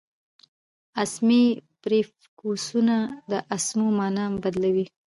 اسمي پریفکسونه د اسمو مانا بدلوي.